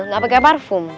gak pake parfum